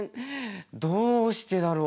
どうしてだろう。